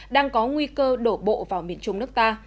đang có nguy cơ đổ bộ vào miền trung nước ta